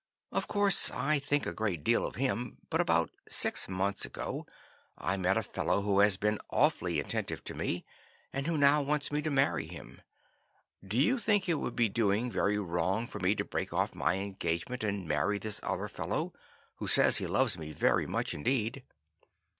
Of course, I think a great deal of him, but about six months ago I met a fellow who has been awfully attentive to me and who now wants me to marry him. Do you think it would be doing very wrong for me to break off my engagement and marry this other fellow, who says he loves me very much indeed?